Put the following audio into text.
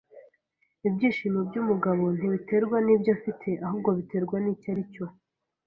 Ibyishimo byumugabo ntibiterwa nibyo afite, ahubwo biterwa nicyo aricyo.